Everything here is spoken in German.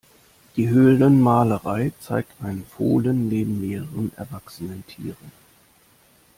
Die Höhlenmalerei zeigt ein Fohlen neben mehreren erwachsenen Tieren.